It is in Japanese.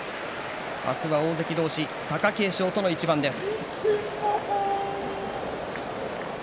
明日は大関同士貴景勝との一番です。